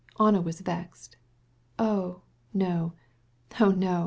Anna was hurt. "Oh no, oh no!